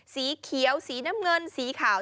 สีเขียวสีน้ำเงินสีขาว